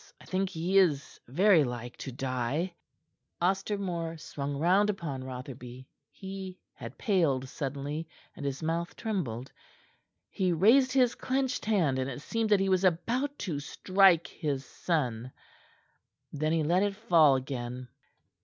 I think he is very like to die." Ostermore swung round upon Rotherby. He had paled suddenly, and his mouth trembled. He raised his clenched hand, and it seemed that he was about to strike his son; then he let it fall again.